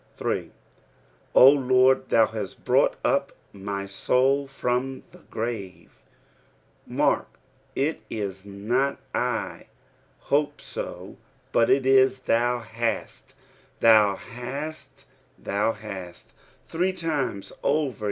3. " 0 Lord, thou hatt brought up my loul from the grave.'^ Hark, it is not, " I hope BO ;" but it is. " Thou hatt; thmi hatt; thou hast" — three times over.